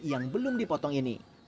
yang belum dipotong ini